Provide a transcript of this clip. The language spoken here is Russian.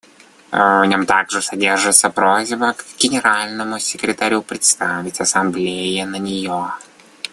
В нем также содержится просьба к Генеральному секретарю представить Ассамблее на ее.